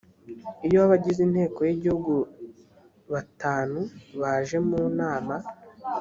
iyo abagize inteko y igihugu batanu baje mu nama